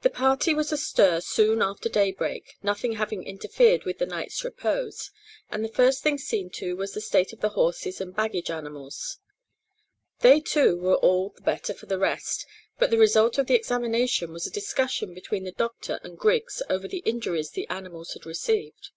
The party was astir soon after daybreak, nothing having interfered with the night's repose, and the first thing seen to, was the state of the horses and baggage animals. They too were all the better for the rest, but the result of the examination was a discussion between the doctor and Griggs over the injuries the animals had received.